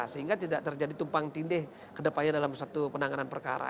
sehingga tidak terjadi tumpang tindih ke depannya dalam satu penanganan perkara